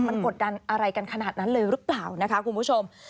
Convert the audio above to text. มันกดดันอะไรกันขนาดนั้นเลยหรือเปล่านะคะคุณผู้ชม